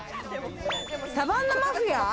サバンナマフィア？